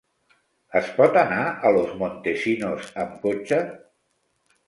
Es pot anar a Los Montesinos amb cotxe?